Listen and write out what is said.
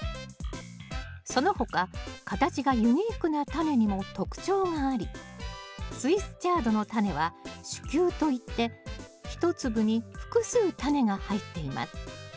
その他形がユニークなタネにも特徴がありスイスチャードのタネは種球といって一粒に複数タネが入っています。